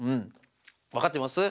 わかってます？